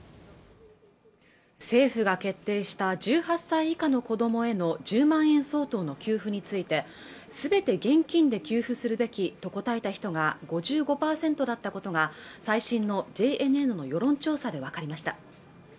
政府が決定した１８歳以下の子どもへの１０万円相当の給付についてすべて現金で給付するべきと答えた人が５５％だったことが最新のＪＮＮの世論調査でわかりました